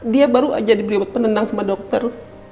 dia baru aja di beli buat penendang sama dokter